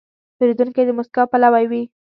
پیرودونکی د موسکا پلوی وي.